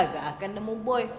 gak akan nemu boy